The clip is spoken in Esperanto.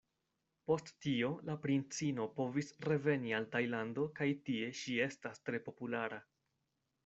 Post tio la princino povis reveni al Tajlando kaj tie ŝi estas tre populara.